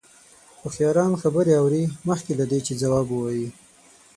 هوښیاران خبرې اوري مخکې له دې چې ځواب ووايي.